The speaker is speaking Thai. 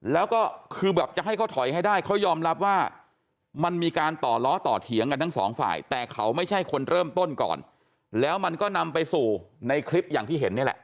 แล้วก็คือแบบจะให้เขาถอยให้ได้เขายอมรับว่ามันมีการต่อล้อต่อเถียงกันทั้งสองฝ่ายแต่เขาไม่ใช่คนเริ่มต้นก่อนแล้วมันก็นำไปสู่ในคลิปอย่างที่เห็นนี่แหละ